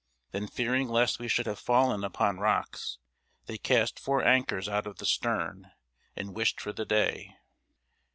Then fearing lest we should have fallen upon rocks, they cast four anchors out of the stern, and wished for the day.